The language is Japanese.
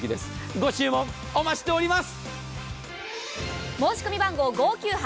ご注文お待ちしております。